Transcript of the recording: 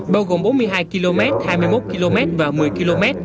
bao gồm bốn mươi hai km hai mươi một km và một mươi km